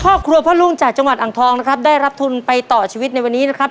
ครอบครัวพ่อลุงจากจังหวัดอ่างทองนะครับได้รับทุนไปต่อชีวิตในวันนี้นะครับ